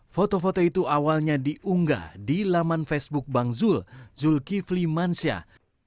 foto foto itu awalnya diunggah di laman facebook bang zul zulkifli mansyah